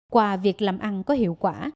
qua việc làm ăn có hiệu quả